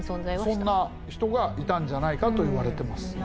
そんな人がいたんじゃないかといわれています。